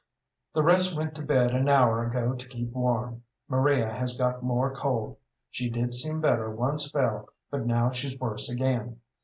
The rest went to bed an hour ago to keep warm. Maria has got more cold. She did seem better one spell, but now she's worse again.